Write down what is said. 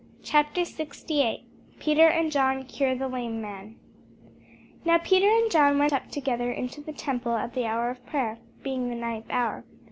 CHAPTER 68 PETER AND JOHN CURE THE LAME MAN [Sidenote: The Acts 3] NOW Peter and John went up together into the temple at the hour of prayer, being the ninth hour.